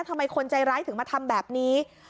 ทำไมคนใจร้ายถึงมาทำแบบนี้